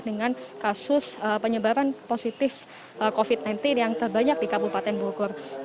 dengan kasus penyebaran positif covid sembilan belas yang terbanyak di kabupaten bogor